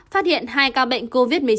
phát hiện hai ca bệnh covid một mươi chín